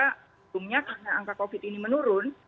untungnya karena angka covid ini menurun